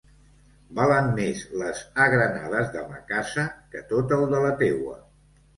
Valen més les agranades de ma casa que tot el de la teua.